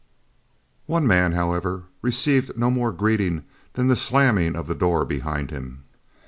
One man, however, received no more greeting than the slamming of the door behind him.